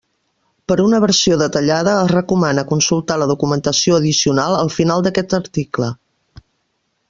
Per una versió detallada es recomana consultar la documentació addicional al final d'aquest article.